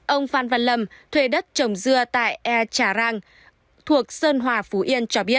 ông phan văn lâm thuê đất trồng dưa tại e trà rang thuộc sơn hòa phú yên cho biết